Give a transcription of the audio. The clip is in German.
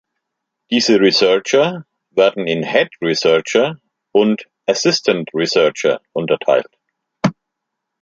Diese Researcher werden in "Head Researcher" und "Assistant Researcher" unterteilt.